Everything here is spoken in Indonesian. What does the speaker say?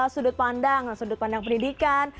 sudut pandang sudut pandang pendidikan